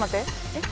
えっ？